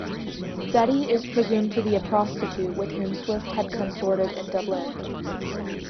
Betty is presumed to be a prostitute with whom Swift had consorted in Dublin.